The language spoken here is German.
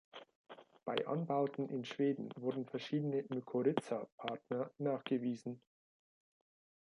Bei Anbauten in Schweden wurden verschiedene Mykorrhiza-Partner nachgewiesen.